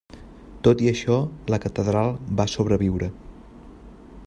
Tot i això, la catedral va sobreviure.